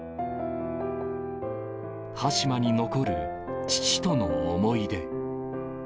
端島に残る父との思い出。